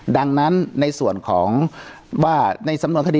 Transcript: ดังนั้นในส่วนของว่า